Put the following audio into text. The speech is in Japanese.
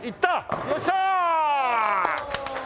よっしゃー！